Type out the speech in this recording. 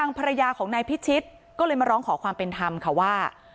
ภรรยาของนายพิชิตก็เลยมาร้องขอความเป็นธรรมค่ะว่า